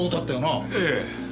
ええ。